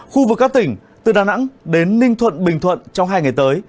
khu vực các tỉnh từ đà nẵng đến ninh thuận bình thuận trong hai ngày tới